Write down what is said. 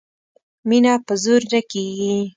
مینه په زور نه کیږي